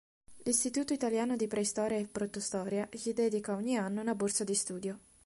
L'Istituto italiano di preistoria e protostoria gli dedica ogni anno una borsa di studio.